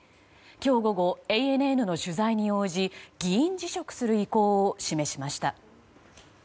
今日午後、ＡＮＮの取材に応じ議員辞職する意向を示しました。